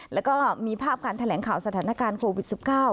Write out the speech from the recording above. แล้วก็มีภาพการแถลงข่าวสถานการณ์โควิด๑๙